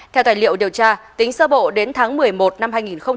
theo tài liệu điều tra tính sơ bộ đến tháng một mươi một năm hai nghìn một mươi chín